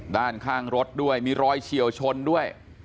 ด้านข้างรถด้วยมีรอยเฉียวชนด้วย